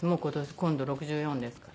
今度６４ですから。